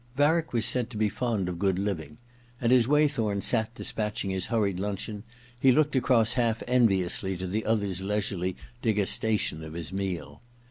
Varick was said to be fond of good living. II THE OTHER TWO 51 and as Waythorn sat despatching his hurried luncheon he looked across half enviously at the other's leisurely degustation of his meal.